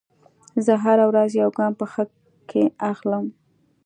زه هره ورځ یو ګام په ښه کې اخلم.